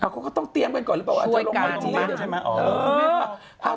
ก็ต้องเตรียมกันก่อนหรือเปล่า